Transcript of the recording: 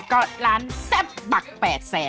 ก็ร้านเซ็บบักแปดแสน